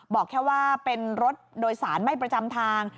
บอกแค่ว่าเป็นรถโดยสารไม่ประจำทาง